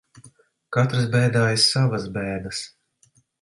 Katrs bēdājas savas bēdas.